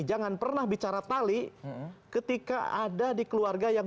jangan pernah bicara tali ketika ada di keluarga yang